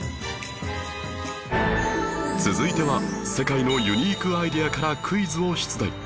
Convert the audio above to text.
続いては世界のユニークアイデアからクイズを出題